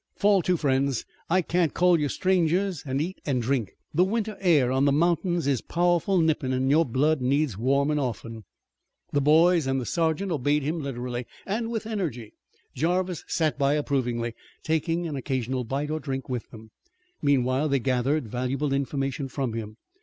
Fall to, friends I can't call you strangers, an' eat an' drink. The winter air on the mountains is powerful nippin' an' your blood needs warmin' often." The boys and the sergeant obeyed him literally and with energy. Jarvis sat by approvingly, taking an occasional bite or drink with them. Meanwhile they gathered valuable information from him.